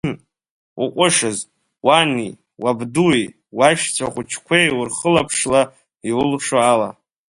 Уҟәышыз, уани, уабдуи, уашьцәа хәыҷқәеи урхылаԥшла иулшо ала!